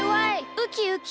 ウキウキ！